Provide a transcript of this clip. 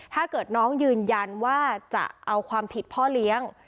ถ้าเกิดน้องยืนยันว่าจะเอาความผิดพ่อเลี้ยง